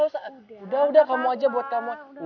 udah udah kamu aja buat kamu